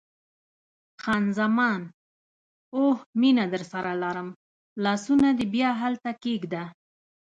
خان زمان: اوه، مینه درسره لرم، لاسونه دې بیا هلته کښېږده.